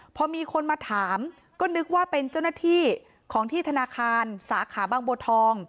พอมีคนมาถามก็นึกว่าเป็นเจ้าหน้าที่ของที่ธนาคารสาขาบางบัวทอง